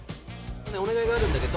お願いがあるんだけど。